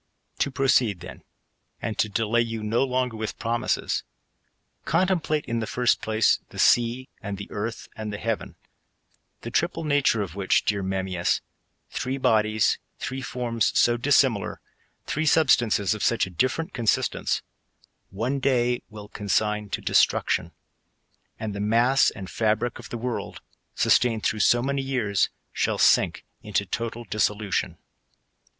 To proceed, then, and to delay you no longer with pro mises, contemplate, in the first place, the sea, and the earth, and the heaven ; the triple nature of wliich, dear Memmius, (three bodies, three forms so dissimilar, tlircc substances q/* such a different ctmsistence,) one day will consign to destmc tion ; and the mass and fabric of the world, sustained through so many years, shall sink itilo total dissolution.